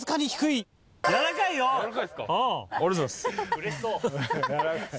うれしそう！